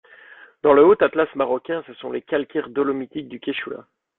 Dans le Haut Atlas marocain, ce sont les calcaires dolomitiques du Kéchoula.